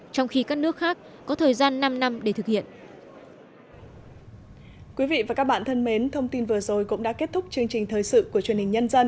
trong khi các nước khác có thời gian năm năm để thực hiện